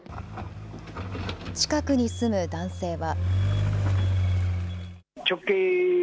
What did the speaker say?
近くに住む男性は。